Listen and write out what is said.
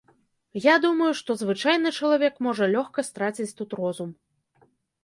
Я думаю, што звычайны чалавек можа лёгка страціць тут розум.